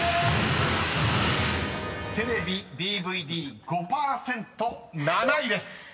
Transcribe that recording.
［「テレビＤＶＤ」５％７位です］